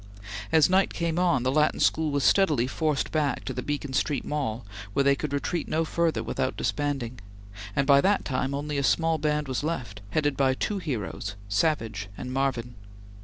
As night came on, the Latin School was steadily forced back to the Beacon Street Mall where they could retreat no further without disbanding, and by that time only a small band was left, headed by two heroes, Savage and Marvin.